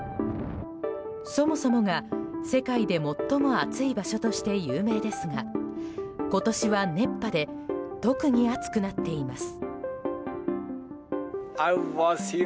そもそもが世界で最も暑い場所として有名ですが今年は熱波で特に暑くなっています。